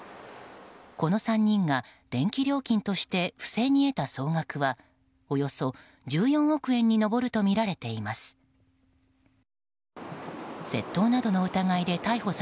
この３人が電気料金として不正に得た総額はおよそ１４億円に上るとみられています。